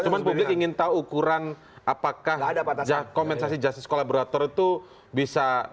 cuma publik ingin tahu ukuran apakah kompensasi justice kolaborator itu bisa